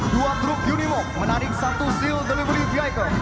dua truk unimog menarik satu seal delivery vehicle